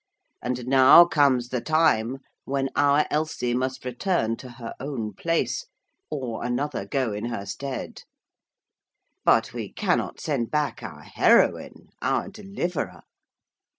And now comes the time when our Elsie must return to her own place, or another go in her stead. But we cannot send back our heroine, our deliverer.'